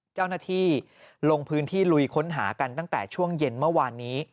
เจ้าหน้าที่ลงพื้นที่ลุยค้นหากันตั้งแต่ช่วงเย็นเมื่อวานนี้